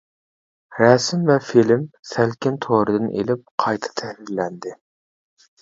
رەسىم ۋە فىلىم سەلكىن تورىدىن ئېلىپ قايتا تەھرىرلەندى.